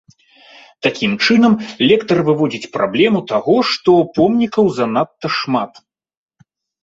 Такім чынам, лектар выводзіць праблему таго, што помнікаў занадта шмат.